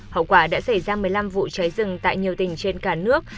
hậu quả đã xảy ra một mươi năm vụ cháy rừng tại nhiều tỉnh trên cả nước